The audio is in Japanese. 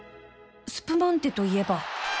スプマンテといえば